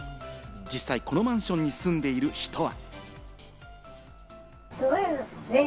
実際、このマンションに住んでいる人は。